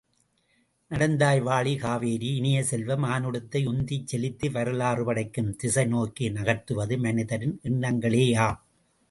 நடந்தாய் வாழி காவேரி இனிய செல்வ, மானுடத்தை உந்திச்செலுத்தி வரலாறு படைக்கும் திசைநோக்கி நகர்த்துவது மனிதரின் எண்ணங்களேயாம்.